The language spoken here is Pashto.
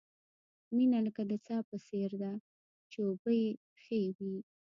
مینه لکه د څاه په څېر ده، چې اوبه یې ښې وي.